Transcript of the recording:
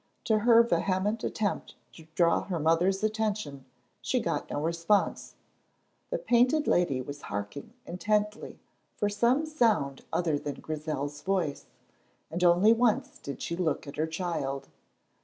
To her vehement attempt to draw her mother's attention she got no response; the Painted Lady was hearkening intently for some sound other than Grizel's voice, and only once did she look at her child.